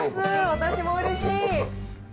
私もうれしい。